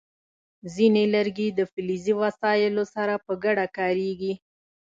ځینې لرګي د فلزي وسایلو سره په ګډه کارېږي.